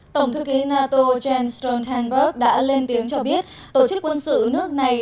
tổng thư ký nato jens stoltenberg đã lên tiếng cho biết tổ chức quân sự nước này